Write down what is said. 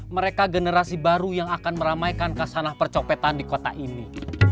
mereka generasi baru yang akan meramaikan kasanah percopetan di kota ini